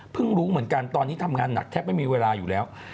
รู้เหมือนกันตอนนี้ทำงานหนักแทบไม่มีเวลาอยู่แล้ว